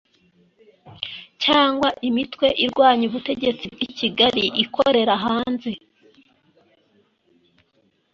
cyangwa imitwe irwanya ubutegetsi bw’i kigali ikorera hanze